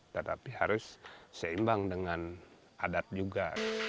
tetapi harus seimbang dengan adat juga